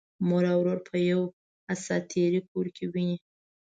مور او ورور په یوه اساطیري کور کې ويني.